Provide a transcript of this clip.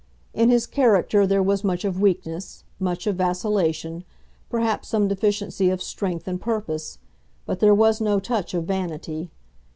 In his character there was much of weakness, much of vacillation, perhaps some deficiency of strength and purpose; but there was no touch of vanity.